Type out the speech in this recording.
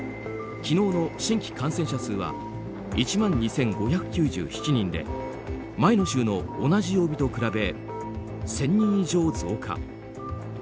昨日の新規感染者数は１万２５９７人で前の週の同じ曜日と比べ１０００人以上増加。